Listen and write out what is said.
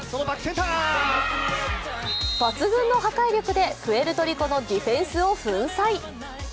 抜群の破壊力でプエルトリコのディフェンスを粉砕。